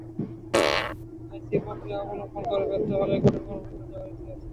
আইনি প্রক্রিয়া অবলম্বন করে ব্যর্থ হলেই কঠিন কর্মসূচিতে যাওয়ার রীতি আছে।